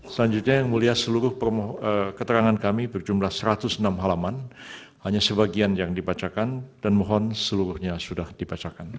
selanjutnya yang mulia seluruh keterangan kami berjumlah satu ratus enam halaman hanya sebagian yang dibacakan dan mohon seluruhnya sudah dibacakan